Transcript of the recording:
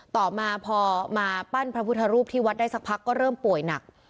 ต่อมาพอมาปั้นพระพุทธรูปที่วัดได้สักพักก็เริ่มป่วยหนัก